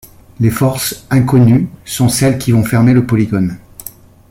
Les forces inconnues sont celles qui vont fermer le polygone.